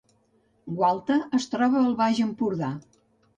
Gualta es troba al Baix Empordà